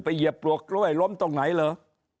เหยียบปลวกกล้วยล้มตรงไหนเหรอ